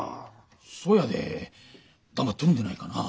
そやで黙っとるんでないかな？